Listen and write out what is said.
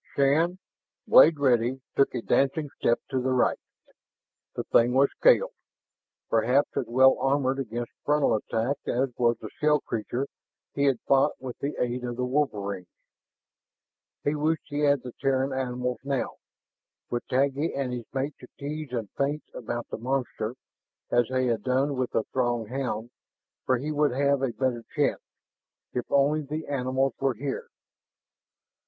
Shann, blade ready, took a dancing step to the right. The thing was scaled, perhaps as well armored against frontal attack as was the shell creature he had fought with the aid of the wolverines. He wished he had the Terran animals now with Taggi and his mate to tease and feint about the monster, as they had done with the Throg hound for he would have a better chance. If only the animals were here!